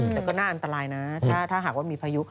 แต่ก็น่าอันตรายนะถ้าหากว่ามีพายุ